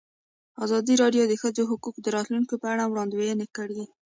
ازادي راډیو د د ښځو حقونه د راتلونکې په اړه وړاندوینې کړې.